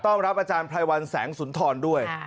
รับอาจารย์ไพรวัลแสงสุนทรด้วย